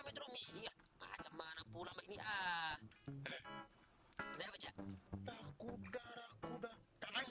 kayaknya kamu harus baik baik terhadap aku